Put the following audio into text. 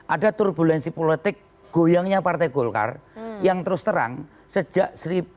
ada turbulensi politik goyangnya partai golkar yang terus terang sejak seribu sembilan ratus sembilan puluh